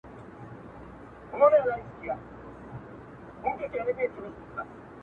زه د بل له ښاره روانـېـږمـه.